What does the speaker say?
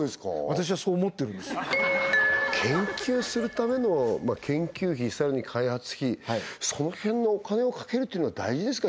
私はそう思ってるんです研究するための研究費さらに開発費その辺のお金をかけるってのは大事ですか？